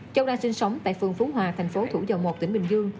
châu đang sinh sống tại phường phú hòa thành phố thủ dầu một tỉnh bình dương